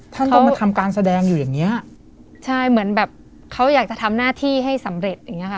ต้องมาทำการแสดงอยู่อย่างเงี้ยใช่เหมือนแบบเขาอยากจะทำหน้าที่ให้สำเร็จอย่างเงี้ค่ะ